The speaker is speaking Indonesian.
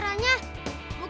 bukan yang baru baru